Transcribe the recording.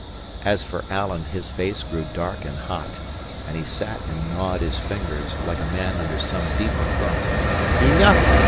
As for Alan, his face grew dark and hot, and he sat and gnawed his fingers, like a man under some deep affront. "Enough!"